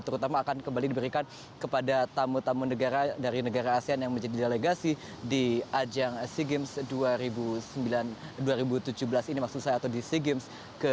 terutama akan kembali diberikan kepada tamu tamu negara dari negara asean yang menjadi delegasi di ajang sea games dua ribu sembilan belas